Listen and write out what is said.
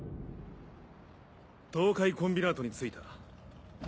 東海コンビナートに着いた。